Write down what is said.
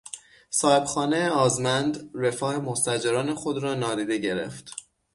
صاحبخانه آزمند رفاه مستاجران خود را نادیده گرفت.